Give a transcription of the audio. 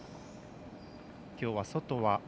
きょうは外は雨。